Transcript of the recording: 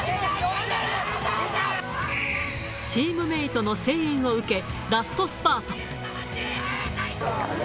チームメートの声援を受け、ラストスパート。